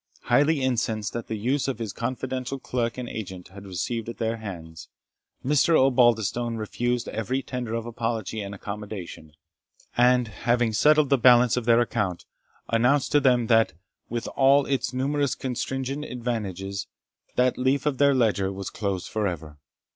Highly incensed at the usage his confidential clerk and agent had received at their hands, Mr. Osbaldistone refused every tender of apology and accommodation; and having settled the balance of their account, announced to them that, with all its numerous contingent advantages, that leaf of their ledger was closed for ever.